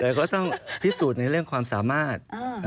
ก็ต้องพิสูจน์ในเรื่องความสามารถ